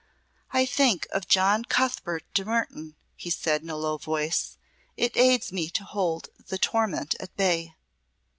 "I think of John Cuthbert de Mertoun," he said in a low voice. "It aids me to hold the torment at bay."